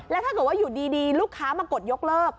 และถ้าอยู่ดีลูกค้ามากดยกเลิก